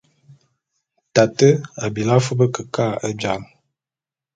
Tate a bilí afub kekâ e jāl.